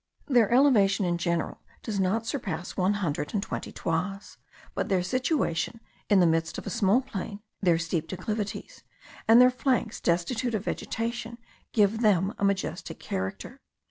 Their elevation in general does not surpass one hundred and twenty toises; but their situation in the midst of a small plain, their steep declivities, and their flanks destitute of vegetation, give them a majestic character.